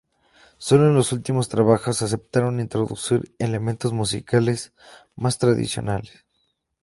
Sólo en los últimos trabajos aceptaron introducir elementos musicales más tradicionales.